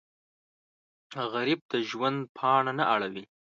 غریب د ژوند پاڼه نه اړوي